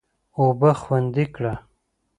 اوبه خوندي کړه.